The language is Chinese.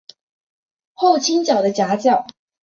后倾角的夹角。